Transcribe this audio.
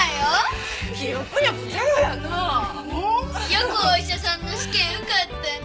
よくお医者さんの試験受かったね。